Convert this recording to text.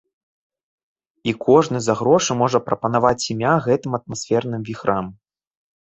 І кожны за грошы можа прапанаваць імя гэтым атмасферным віхрам.